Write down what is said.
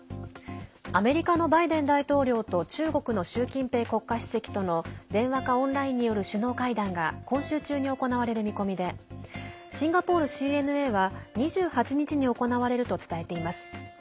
アメリカのバイデン大統領と中国の習近平国家主席との電話かオンラインによる首脳会談が今週中に行われる見込みでシンガポールＣＮＡは２８日に行われると伝えています。